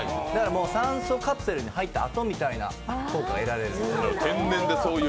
酸素カプセルに入った後みたいな効果が得られるという。